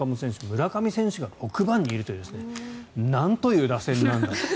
村上選手が６番にいるというなんという打線なんだ。